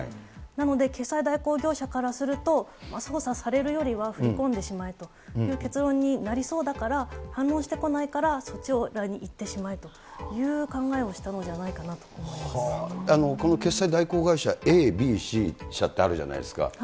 なので、決済代行業者からすると、捜査されるよりは振り込んでしまえという結論になりそうだから、反論してこないからそっちにいってしまえという考えをしたのじゃこの決済代行会社Ａ、Ｂ、Ｃ社ってあるじゃないですか。